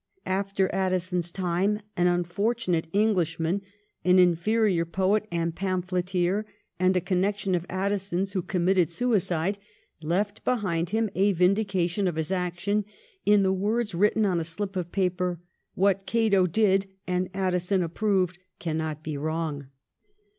After Addison's time an unfortunate Englishman, an inferior poet and pamphleteer and a connection of Addison's who com mitted suicide, left behind him a vindication of his action in the words, written on a slip of paper : 'What Cato did and Addison approved, cannot be wrong.'